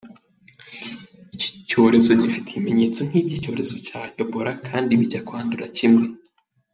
Iki cyorero gifite ibimenyetso nk’ iby’ icyorero cya Ebola kandi bijya kwandura kimwe.